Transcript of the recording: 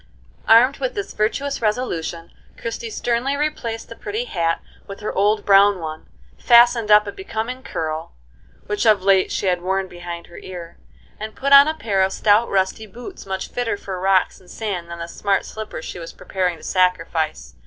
Armed with this virtuous resolution, Christie sternly replaced the pretty hat with her old brown one, fastened up a becoming curl, which of late she had worn behind her ear, and put on a pair of stout, rusty boots, much fitter for rocks and sand than the smart slippers she was preparing to sacrifice.